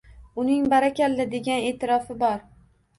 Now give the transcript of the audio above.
Uning “barakalla” degan e’tirofi bor.